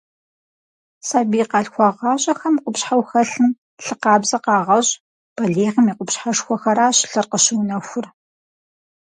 Сабий къалъхуагъащӏэхэм къупщхьэу хэлъым лъы къабзэ къагъэщӏ, балигъым и къупщхьэшхуэхэращ лъыр къыщыунэхур.